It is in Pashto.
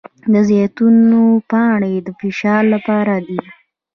د زیتون پاڼې د فشار لپاره دي.